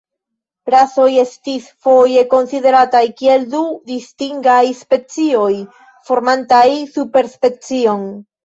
Rasoj estis foje konsiderataj kiel du distingaj specioj, formantaj superspecion.